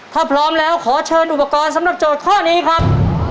ถ้าพร้อมแล้วขอเชิญอุปกรณ์สำหรับโจทย์ข้อนี้ครับ